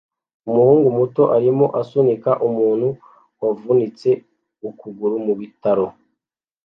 Umuhungu muto arimo asunika umuntu wavunitse ukuguru mubitaro